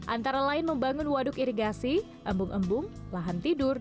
antara lain membangun waduk irigasi embung embung lahan tidur